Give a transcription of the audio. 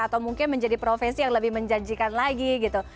atau mungkin menjadi profesi yang lebih menjanjikan lagi gitu